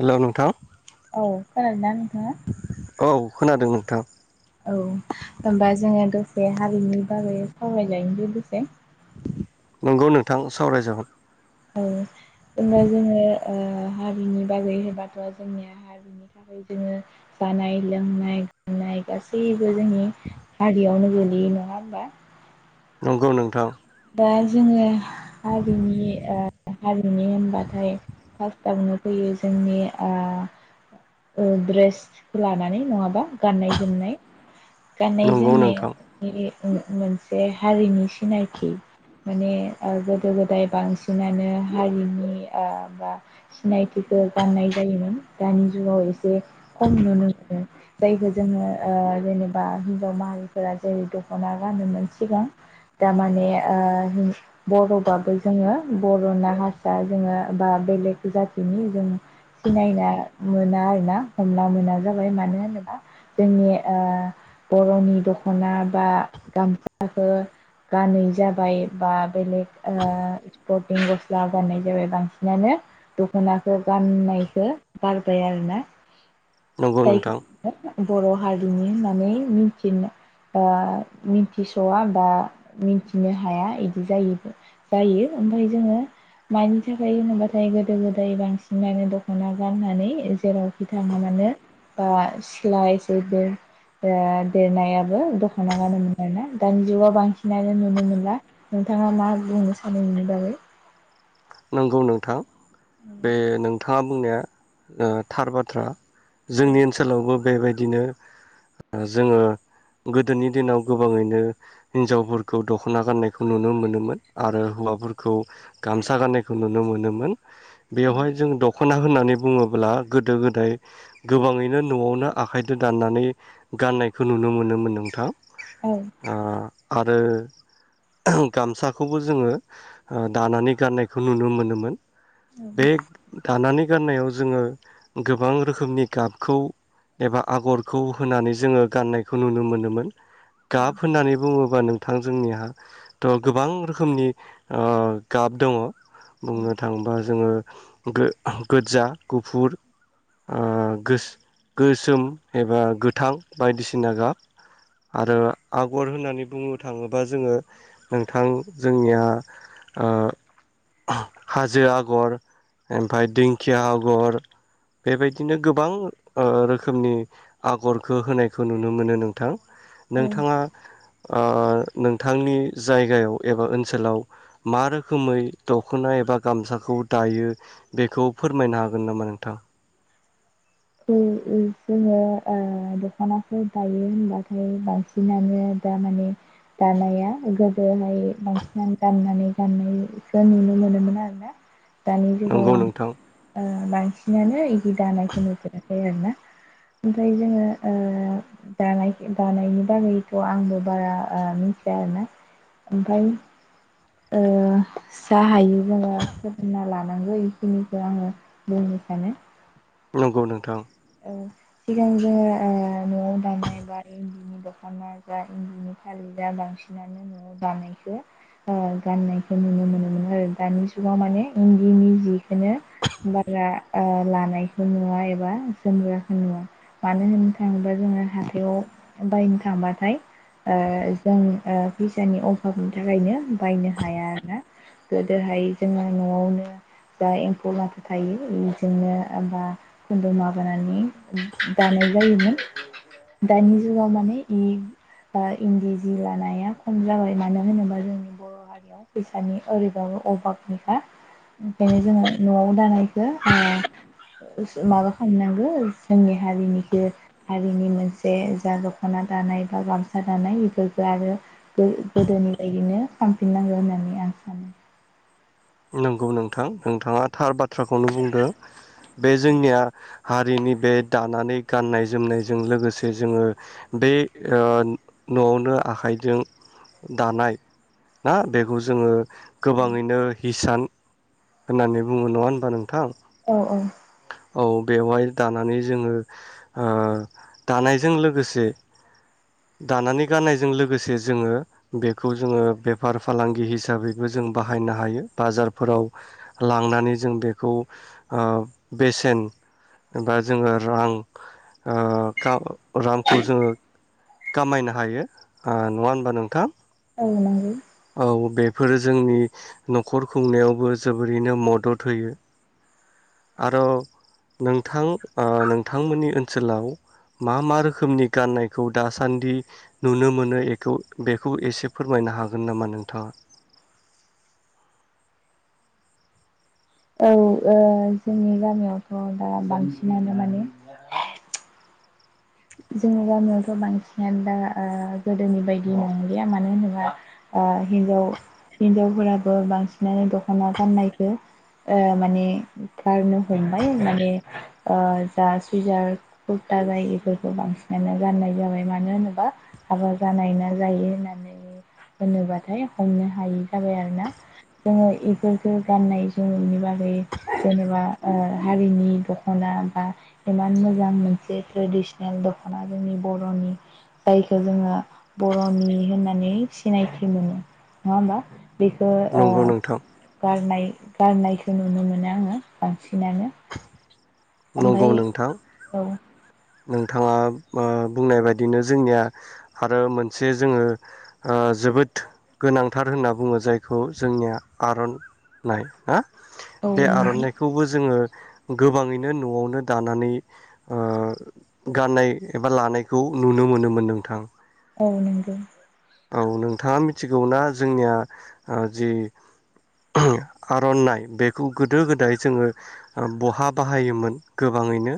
Hello, नोंथां। औ खोनादोंना? [inaudible] औ खोनादों नोंथां। औ होनबा जोङो दसे हारिनि बागै सावराय जायो बे दसे। नंगौ नोंथां सावरायजागोन। औ। होमबा जोङो। ओ हारिनि बागै होनबाथ' जोंनिया हारिनि थाखाय जोङो जानाय, लोंनाय, गानाय गासैबो जोंनि हारियावनो गोलैयो नङा होमबा? नंगौ नोंथां। दा जोङो। हारिनि ओ हारिनि होनबाथाय। फार्स्टआवनो फैयो जोंनि ओ ओ ड्रेसखौ लानानै नङाबा गाननाय जोमनाय गाननाय नंगौ नोंथां जोमनायनि मोन मोनसे हारिनि सिनायथि माने ओ गोदो गोदाय बांसिनानो हारिनि बा सिनायथि बेखौ गाननाय जायोमोन। दानि जुगाव खम नुनो मोनो जायखौ जोङो ओ जेनेबा हिनजाव माहारिफोरा जेरै- दख'ना गाननोमोन सिगां दा माने ओ बर'बाबो जोङो बरना हारसा जोङो बा बेलेग जाथिनि जों सिनायना मोना आरोना हमना मोना जाबाय मानो होनोबा जोंनि बरनि दख'ना बा गामसाखौ गानै जाब बाय बा बेलेग ओ स्परटिं गस्ला गाननाय जाबाय बांसिनानो दखनाखौ गाननायखौ गारबाय आरोना नंगौ नोंथां [unintelligible] बर' हारिनि होननानै मिथि ओ मिथिसया बा मिथि बिनो हाया बिदि जायो जायो ओमफाय जोङो मानि थाखाय होनोब्लाथाय गोदो गोदाय बांसिनानो दख'ना गाननानै जेरावखि थाङा मानो बा सिख्ला इसे देरनायाबो दख'ना गानोमोन आरोना दानि जुगाव बांसिनानो नुनो नुनो मोनला नोंथाङा मा बुंनो सानो बिनि बागै नंगौ नोंथां। बे नों थाङा बुंनाया ओ थार बाथ्रा। औ जोंनि ओनसोलावबो बेबायदि बिदिनो जोङो गोदोनि दिनाव गोबाङैनो हिनजावफोरखौ दखना गाननायखौ नुनो मोनोमोन आरो हौवाफोरखौ गामसा गाननायखौ नुनो मोनोमोन। बेवहाय जों दं दखना होननानै बुङोब्ला गोदो गोदाय गोबाङैनो न'आवनो आखाइजों दानानै गाननायखौ नुनो मोनोमोन नोंथां। औ। ओ आरो गामसाखौबो जों दानानै गाननाय बेखौ नुनो मोनोमोन औ बे दानानै बे गाननायाव जोङो गोबां रोखोमनि गाबखौ एबा आगरखौ होनानै जों गाननायखौ नुनो मोनोमोन गाब होननानै बुङो नोंथां जोंनिहा थ गोबां रोखोमनि ओ गाब दङ बुंनो थाङोबा जोङो गो-गोजा गुफुर ओ गोसोम एबा गोथां बायदिसिना गाब आरो आगर होननानै बुंनो थाङोबा जों नोंथां जोंनिया ओ हाजो आगर ओमफाय दिंखिया आगर बेबायदिनो गोबां ओ रोखोमनि आगरखो होनायखो नुनो मोनो नोंथां औ नोंथाङा ओ नोंथांनि जायगायाव एबा ओनसोलाव मा रोखोमै दखना एबा गामसाखौ दायो बेखौ फोरमायनो हागोन नामा नोंथां? [unintelligible] जोङो ओ दखनाफोर दायो होनबाथाय बांसिनानो दा माने दानाया गोदोनो [unintelligible] बांसिनानो दाननानै गाननायखो नुनो मोनोमोन आरो ना। दानि जुगाव नंगौ आं नोंथां बांसिनानो दानायखौ [unintelligible] आरोना ओमफ्राय जोङो ओ दानाय दानायनि बागैथ आंबो बारा मिथिया आरोना ओमफ्राय ओ जा हायो जोंङो सोलोंना लानांगौ बेखिनिखौ आङो बुंनो सानो। नंगौ नोंथां। औ सिगां जों ओ न'आव दानाय बा इन्दिनि दखना जा इन्दिनि फालि जा बांसिनानो नआव दानायखौ गाननायखौ नुनो मोनोमन आरो दानि जुगाव माने इन्दिनि जि बेखायनो बारा ओ लानायखौ नुवा एबा जोमग्राखो नुवा मानो होननो थाङोब्ला जोङो हाथायाव बायनो थांबाथाय ओ जों ओ फैसानि अभाबनि थाखायनो बायनो हाया आरोना गोदोहाय जोंङो नआवनो जा एम्फौ लाथा थायो इजोंनो बा खुन्दुं माब माबानानै दानाय जायोमोन दानि जुगाव माने इ बा इन्दि जि लानाया खम जाबाय मानो होनोबा जोंनि बर' हारियाव फैसानि ओरैबाबो अभाबनिखा ओंखायनो जोङो नआव दानायखौ माबा नोंगो जोंनि हारिनिखौ हारिनि मोनसे जा दखना दानाय बा गामसा दानाय बेफोरफोरखौ आरो गोदोनि बायदिनो खामफिननांगो होननानै आं सानो। नंगौ नोंथां नोंथाङा थार बा बाथ्राखौनो बुंदों बे जोंनिया हारिनि बे दानानै गाननाय जोमनायजों लोगोसे जोङो बे ओ न'आवनो आखाइजों दानाय ना बेखौ जोङो गोबाङैनो हिसान होननानै बुङो नङा होनबा नोंथां। अ। औ बेवहाय दानानै जोङो ओ दानायजों लोगोसे दानानै गाननायजों लोगोसे जोङो बेखौ जोङो बेफार फालांगि हिसाबैबो जों बाहायनो हायो बाजारफोराव लांनानै जों बेखौ ओ बेसेन बा जोङो रां ओ खा रांखौ जोङो खामायनो हायो नङा होनबा नोंथां। औ नंगौ। औ बेफोरो जोंनि नखर खुंनायावबो जोबोरैनो मदद होयो आरो नोंथां नोंथांमोननि ओनसोलाव मा मा रोखोमनि गाननायखौ दासान्दि नुनो मोनोखौ बेखौ एसे फोरमायनो हागोन हागोन नामा नोंथाङा। औ ओं जोंनि गामियावथ दा बांसिनानो माने जोंनि गामियावथ बांसिनानो दा ओ गोदोनि बायदि नंलिया मानो होनोबा हिनजाव हिनजावफोराबो बांसिनानो दखना गाननायखो ओ माने गारनो हमबाय माने ओ जा सुइजार कुर्ता जायो इफोर बांसिनानो गाननाय जाबाय मानो होनोबा हाबा जानाय ना जायो होननानै होनोबाथाय हमनो हायि जाबाय आरोना। जोङो इफोरखौ गाननाय जोमनायनि बागै जेनेबा ओ हारिनि दख'ना बा एमान मोजां मोनसे ट्रेडसन दखना जोंनि बर'नि जायखौ जोङो बर'नि होननानै सिनायथि मोनो नङा होमबा। बेखौ ओ नंगौ नोंथां गारनाय गारनायखौ नुनो मोनो आङो बांसिनानो। नंगौ ओमफ्राय नोंथां औ। नोंथाङा ओ बुंनाय बायदिनो जोंनिया आरो मोनसे जोङो ओ जोबोद गोनांथार होनना बुङो जायखौ जोंनिया आरननाइ ना औ बे नंगौ आर'नाइखौबो जोङो गोबाङैनो न'आवनो दानानै ओ गाननाय एबा लानायखौ नुनो मोनोमोन नोंथां। औ नोंगौ। औ नोंथाङा मिथिगौना जोंनिया जि आरनाइ बेखौ गोदो गोदाय जोङो बहा बाहायोमोन गोबाङैनो?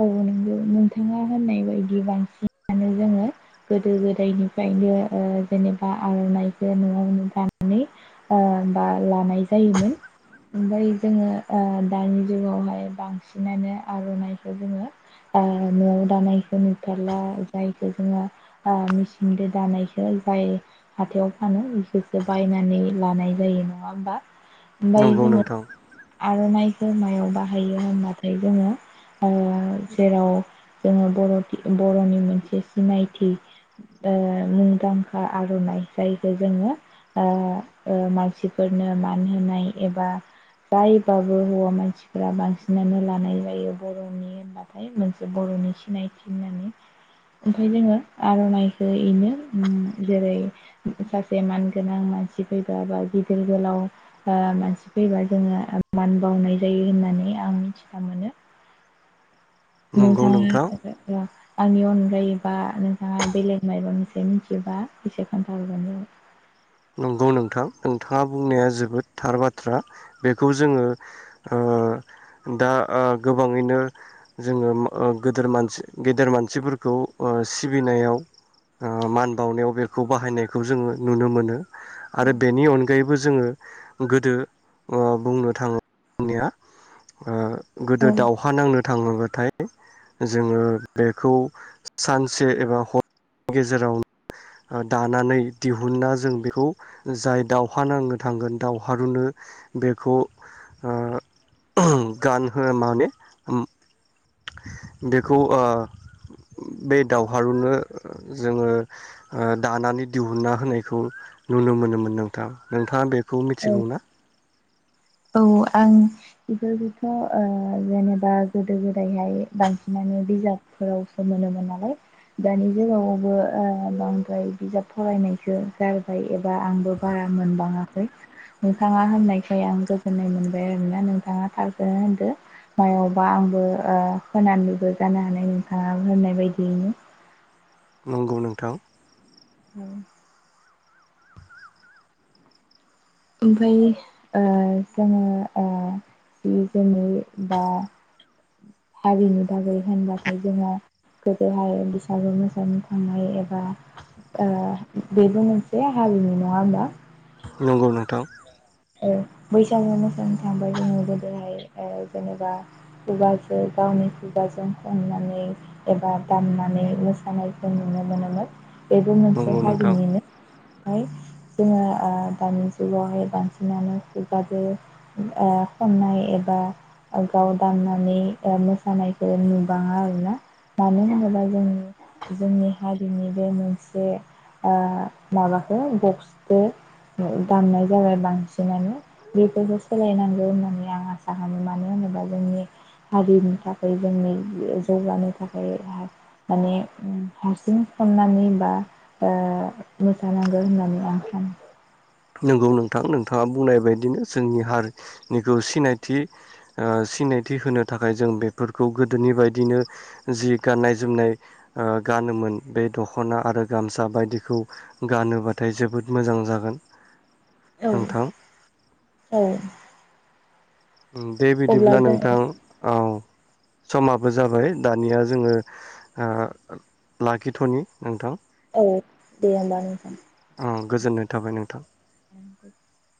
औ नोंगौ नोंथाङा होननाय बायदि बांसिनानो जोङो गोदो गोदायनिफ्रायनो ओ जेनेबा आरनाइखौ नआवनो दानानै बा लानाय जायोमोन। ओमफ्राय जोङो दानि जुगावहाय बांसिनानो आरनाइ जोङो ओ नआव दानायखौ नुथारला जायखौ जोङो मेचिनजों दानायखौ जाय हाथायाव फानो बेखौसो बायनानै लानाय जायो नङा होमबा। ओमफ्राय नंगौ जोङो नोंथां। आरनाइखौ मायाव बाहायो होनबाथाय जोङो। [unintelligible] जेराव जोङो बर' बर'नि मोनसे सिनायथि ओ मुंदांखा आरनाइ जायखौ जोङो ओ मानसिफोरनो मान होनाय एबा जायबाबो हौवा मानसिफोरा बांसिनानो लानाय जायो। बर'नि होनबाथाय मोनसे बर'नि सिनायथि होननानै ओमफ्राय जोङो आर'नाइखौ इनो जेरै सासे मानगोनां मानसि फैबा बा गिदिर गोलाव मानसि फैबा जोङो मान बावनाय जायो होननानै आं मिथिनो मोनो। नंगौ नोंथाङा नोंथां [unintelligible] आंनि अनगायैबा नोंथाङा बेलेग मायबामोनसे मिथियोबा एसे खोन्थाहरबानो जाबाय नंगौ नोंथां। नोंथाङा बुंनाया जोबोद थार बाथ्रा बेखौ जोङो आ दा आ गोबाङैनो जोङो मा ओ गदेर मानसि गेदेर मानसिफोरखौ आ सिबिनायाव आ मान बावनायाव बेखौ बाहायनायखौ जोङो नुनो मोनो। आरो जाबाय। बेनि अनगायैबो जों जोङो गोदो ओ बुंनो थाङनिया ओ गोदो दाउहा नांनो थाङोबाथाय जोङो बेखौ सानसे एबा हरनि गेजेराव दानानै दिहुना जों बे खौ जाय दाावहा नांनो थांगोन दावहारुनो बेखौ आ उम गानहोनो माने उम बेखौ आ बे दावहारुनो जोङो दानानै दिहुनना होनायखौ नुनो मोनोमोन नोंथां नोंथाङा बे बेखौ औ मिथिगौ ना? औ आं बेफोरफोरखौथ' ओ जेनेबा गोदो गोदायहाय बांसिनानो बिजाबफोरावसो मोनोमोन नालाय दानि जुगावावबो ओ बांद्राय बिजाब फरायनायखौ गारबाय एबा आंबो बारा मोनबाङाखै नोंथाङा होननायखाय आंबो होननाय मोनबाय आरोना नोंथाङा थारखौनो होनदो मायावबा आंबो ओ होनानैबो जानो हानाय नोंथाङा होननाय बायदियैनो नंगौ नोंथां। नांगौ ओमफ्रायनि आ जोङो आ जि जोमै बा हारिनि बागै होनबाथाय जोङो गोदोहाय बैसागु मोसानो थांनाय एबा आ बेबो मोनसे हारिनि नङा होमबा? नंगौ नोंथां आ बैसागु मोसानो थांबाय जोङो गोदोहाय ओ जेनेबा खुगाजों गावनि खुगाजों खननानै एबा दामनानै मोसानायखौ नुनो मोनोमोन। बेबो मोनसे नंगौ नोंथां हारिनिनो फ्राय जोङो आ दानि जुगावहाय बांसिन नानो खुगाजो आ खननाय एबा गाव दामनानै मोसानायखौ नुबाङा आरोना मानो होनोब्ला जोंनि जोंनि हारिनि बे मोनसे आ माबाखौ बक्सबो दामनाय जाबाय बांसिन सिनानो बेफोरखौ सोलायनांगौ होननानै आं आसा खालामो मानो होनोबा जोंनि हारिनि थाखाय जोंनि जौगानो थाखाय हा माने हारसिं खननानै बा आ मोसानांगौ होननानै आं सानो नंगौ नोंथां नोंथाङा बुंनाय बायदिनो जोंनि हारिनिखौ सिनायथि आ सिनायथि होनो थाखाय जों बेफोरखौ गोदोनि बायदिनो जि गाननाय जोमनाय गानोमोन बे दख'ना आरो गामसा बायदिखौ गानोबाथाय जोबोद मोजां जागोन औ नोंथां औ दे अब्ला बिदिब्ला नोंथां जोङो औ समाबो जाबाय दानिया जोङो ओ लाखिथनि नोंथां औ दे होमबा नोंथां उम गोजोननाय थाबाय नोंथां। [inaudible]